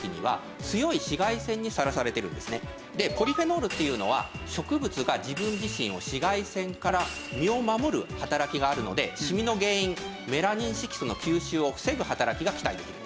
ポリフェノールっていうのは植物が自分自身を紫外線から身を守る働きがあるのでシミの原因メラニン色素の吸収を防ぐ働きが期待できるんです。